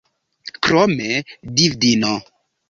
Krome, vidvino.